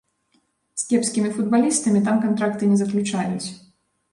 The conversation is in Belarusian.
З кепскімі футбалістамі там кантракты не заключаюць.